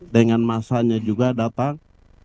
dengan masanya juga datang